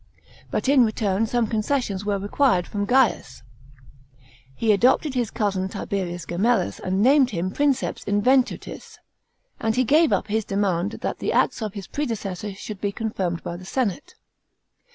But in return some concessions were required from Gaius, He adopted his cousin Tiberius Gemellus and named him princess iuventutis ; and he gave up his demand that the acts of his predecessor should be confirmed by the senate.